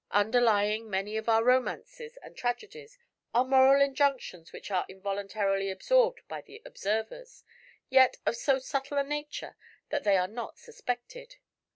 Underlying many of our romances and tragedies are moral injunctions which are involuntarily absorbed by the observers, yet of so subtle a nature that they are not suspected.